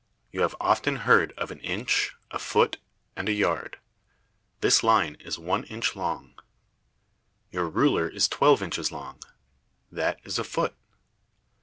You have often heard of an inch, a foot, and a yard. This line is one inch long ||. Your ruler is twelve inches long, that is a foot.